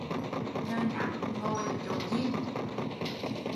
Trời nắng ngồi ở chỗ dim